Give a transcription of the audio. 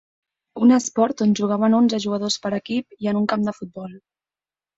Un esport on jugaven onze jugadors per equip i en un camp de futbol.